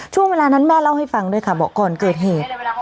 ช่วงเวลานั้นแม่เล่าให้ฟังด้วยค่ะบอกก่อนเกิดเหตุ